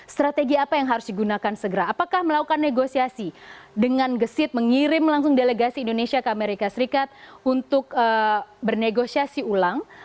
strategi apa yang harus digunakan segera apakah melakukan negosiasi dengan gesit mengirim langsung delegasi indonesia ke amerika serikat untuk bernegosiasi ulang